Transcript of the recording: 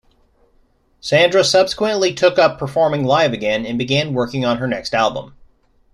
Sandra subsequently took up performing live again and began working on her next album.